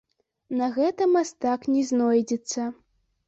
На гэта мастак не знойдзецца.